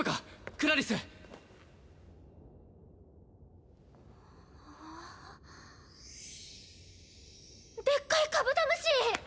クラリスでっかいカブトムシ！